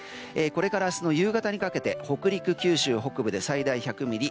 これから明日の夕方にかけて北陸、九州北部で最大１００ミリ